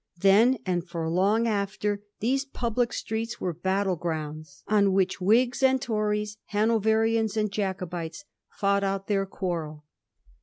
Then, and for long after, these public streets were battle grounds on which Whigs and Tories, Hanoverians and Jacobites, fought out their quarrel.